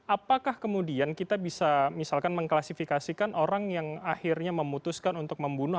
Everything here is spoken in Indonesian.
apakah kemudian kita bisa misalkan mengklasifikasikan orang yang akhirnya memutuskan untuk membunuh